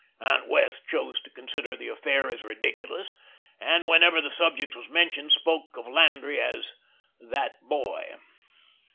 Aunt Wess' chose to consider the affair as ridiculous, and whenever the subject was mentioned spoke of Landry as "that boy."